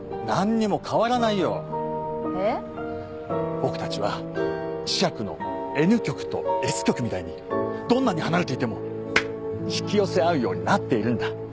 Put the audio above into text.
僕たちは磁石のＮ極とＳ極みたいにどんなに離れていても引き寄せ合うようになっているんだ。